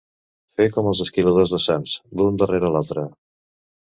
Fer com els esquiladors de Sants, l'un darrere l'altre.